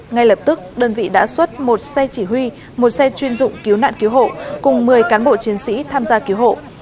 ngay lập tức đơn vị đã xuất một xe chỉ huy một xe chuyên dụng cứu nạn cứu hộ cùng một mươi cán bộ chiến sĩ tham gia cứu hộ